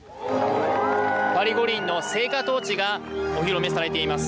パリ五輪の聖火トーチがお披露目されています。